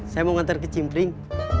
saya mau ngantar ke cimpling